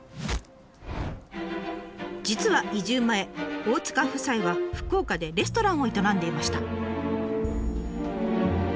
実は移住前大塚夫妻は福岡でレストランを営んでいました。